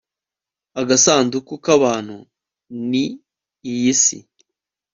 agasanduku k'abantu ni iyi si